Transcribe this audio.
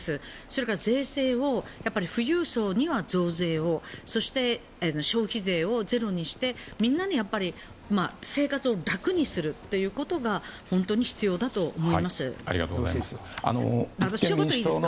それから税制をやっぱり富裕層には増税をそして消費税をゼロにしてみんなに生活を楽にするということが本当に必要だと思います。